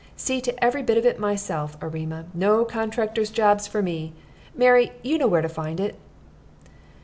See to every bit of it myself, Erema. No contractor's jobs for me. Mary, you know where to find it."